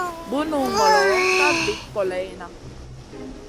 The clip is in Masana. Bunu ŋolo ka vit kòleyna.